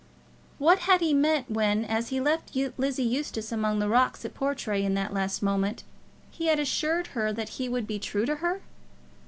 What had he meant when, as he left Lizzie Eustace among the rocks at Portray, in that last moment, he had assured her that he would be true to her?